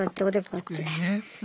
机にね。